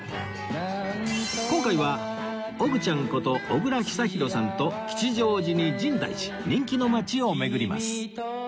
今回はおぐちゃんこと小倉久寛さんと吉祥寺に深大寺人気の街を巡ります